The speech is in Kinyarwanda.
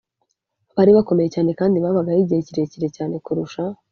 bari bakomeye cyane kandi babagaho igihe kirekire cyane kurusha